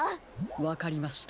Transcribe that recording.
わかりました。